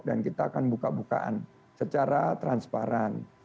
kita akan buka bukaan secara transparan